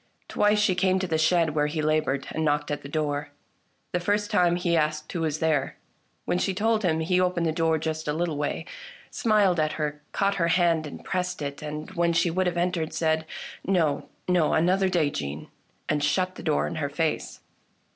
Twice she came to the shed where he laboured, and knocked at the door. The first time, he asked who was there. When she told him he opened the door just a little way, smiled at her, caught her hand and pressed it, and, when she would have entered, said, " No, no, another day, Jeanne !" and shut the door in her face.